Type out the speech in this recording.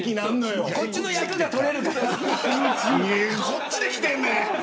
こっちで来てんねん。